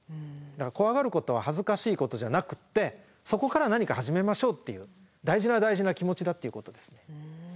だから怖がることは恥ずかしいことじゃなくってそこから何か始めましょうっていう大事な大事な気持ちだっていうことですね。